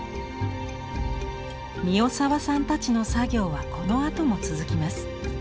三代沢さんたちの作業はこのあとも続きます。